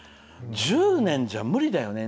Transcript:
１０年じゃ無理だよね。